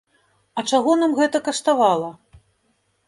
А чаго нам гэта каштавала?